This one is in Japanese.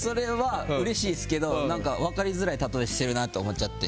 うれしいですけど分かりづらい例えしてるなって思っちゃって。